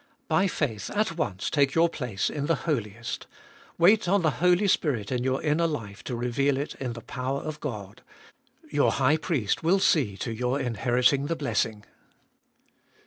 By faith at once take your place in the Holiest ; wait on the Holy Spirit In your Inner life to reveal it In the power of God ; your High Priest will see to your inheriting the blessing.